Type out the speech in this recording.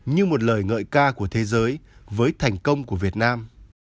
như một lời ngợi ca của thế giới với thành công của việt nam